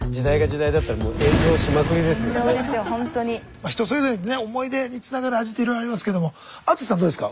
まあ人それぞれにね思い出につながる味っていろいろありますけども淳さんどうですか？